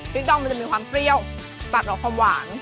พริกดองมันจะมีความเปรี้ยวแต่หลอกความหวาน